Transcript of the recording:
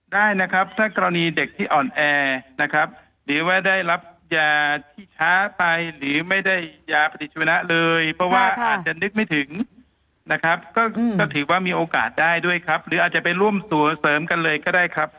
ได้นะครับถ้ากรณีเด็กที่อ่อนแอนะครับหรือว่าได้รับยาที่ช้าไปหรือไม่ได้ยาปฏิชวนะเลยเพราะว่าอาจจะนึกไม่ถึงนะครับก็ถือว่ามีโอกาสได้ด้วยครับหรืออาจจะไปร่วมตัวเสริมกันเลยก็ได้ครับ